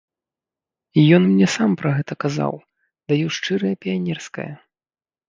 Ён мне сам пра гэта казаў, даю шчырае піянерскае.